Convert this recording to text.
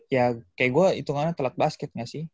ya kayak gue itungannya telat basket gak sih